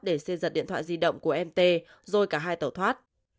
để xe giật điện thoại di động của mt rồi cả hai tàu thoát